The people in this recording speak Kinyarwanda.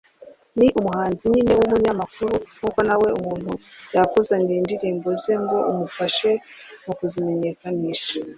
ni umuhanzi nyine n’umunyamakuru nkuko nawe umuntu yakuzanira indirimbo ze ngo umufashe mu kuzimenyakanisha